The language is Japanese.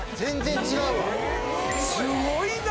すごいな！